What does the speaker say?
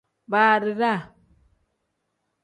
Baadiraa.